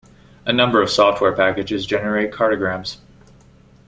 A number of software packages generate cartograms.